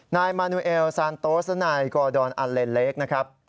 นายมานูเอลซานโต๊สและนายกอดอนอัลเลนเล็กนะครับ